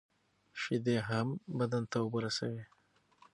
شیدې هم بدن ته اوبه رسوي.